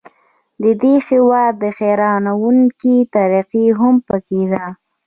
د دې هیواد حیرانوونکې ترقي هم پکې ده.